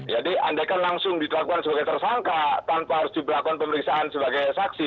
jadi andaikan langsung dilakukan sebagai tersangka tanpa harus diberakan pemeriksaan sebagai saksi